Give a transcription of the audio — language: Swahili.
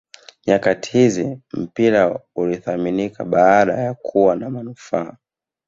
nyakati hizi mpira unathaminika baada ya kuwa na manufaa